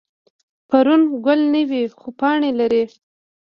فرن ګل نه کوي خو پاڼې لري